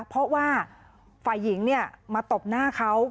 เพราะว่าฝ่ายหญิงเนี่ยมาตบหน้าเค้า